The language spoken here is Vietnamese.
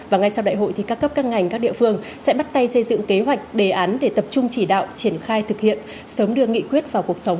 và ngay sau đại hội thì các cấp các ngành các địa phương sẽ bắt tay xây dựng kế hoạch đề án để tập trung chỉ đạo triển khai thực hiện sớm đưa nghị quyết vào cuộc sống